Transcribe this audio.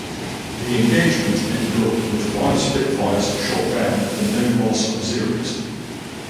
The engagement ended up with five Spitfires shot down for no loss of Zeros.